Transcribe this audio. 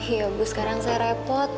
iya bu sekarang saya repot